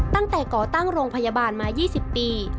ก่อตั้งโรงพยาบาลมา๒๐ปี